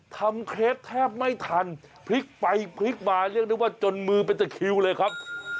เคลปแทบไม่ทันพลิกไปพลิกมาเรียกได้ว่าจนมือเป็นตะคิวเลยครับ